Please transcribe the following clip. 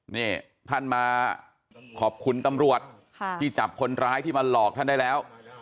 นี่ท่านมาขอบคุณตำรวจที่จับคนร้ายที่มาหลอกท่านได้แล้ว